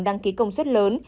đăng ký công suất lớn